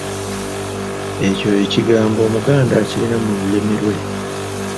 Ekyo ekigmbo Omuganda akirina mu lulimi lwe.